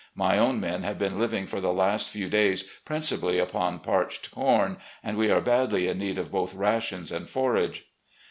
My own men have been living for the last few days prin cipally upon parched com, and we are badly in need of both rations and forage."